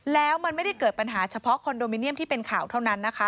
แล้วมันไม่ได้เกิดปัญหาเฉพาะคอนโดมิเนียมที่เป็นข่าวเท่านั้นนะคะ